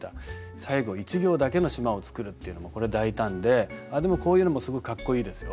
最後１行だけの島を作るっていうのもこれ大胆ででもこういうのもすごくかっこいいですよ。